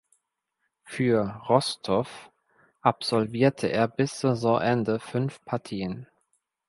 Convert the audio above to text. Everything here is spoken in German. Für Rostow absolvierte er bis Saisonende fünf Partien.